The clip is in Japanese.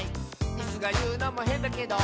「イスがいうのもへんだけど」